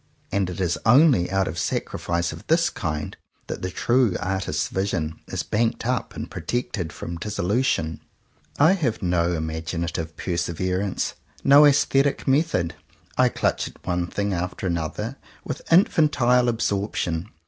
And it is only out of sacrifice of this kind that the true artist's vision is banked up and protected from dissolution. I have no imaginative perseverance, no aesthetic method. I clutch at one thing after another with infantile absorption.